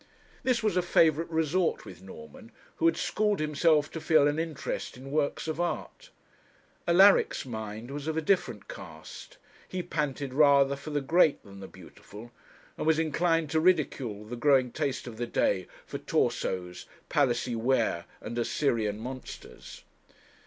This was a favourite resort with Norman, who had schooled himself to feel an interest in works of art. Alaric's mind was of a different cast; he panted rather for the great than the beautiful; and was inclined to ridicule the growing taste of the day for torsos, Palissy ware, and Assyrian monsters.